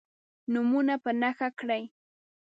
نومونه په نښه کړئ.